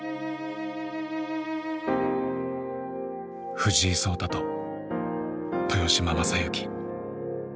藤井聡太と豊島将之。